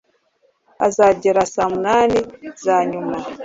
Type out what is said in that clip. Azagera saa munani zanyuma.